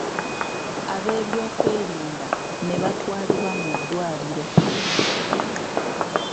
Ab'ebyokwerinda ne batwalibwa mu ddwaliro.